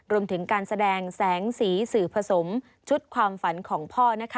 รวมถึงการแสดงแสงสีสื่อผสมชุดความฝันของพ่อนะคะ